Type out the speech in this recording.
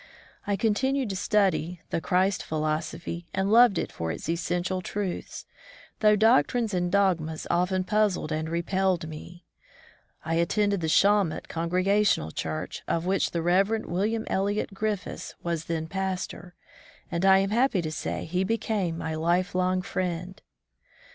I continued to study the Christ philosophy and loved it for its essential truths, though doctrines and dogmas often puzzled and repelled me. I attended the Shawmut Congregational church, of which the Rev. William Eliot Griffis was then pastor, and I am happy to say he became my life long friend.